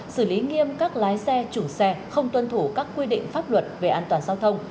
xử lý nghiêm các lái xe chủ xe không tuân thủ các quy định pháp luật về an toàn giao thông